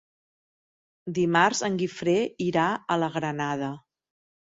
Dimarts en Guifré irà a la Granada.